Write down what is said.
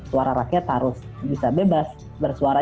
suara rakyat harus bisa bebas bersuara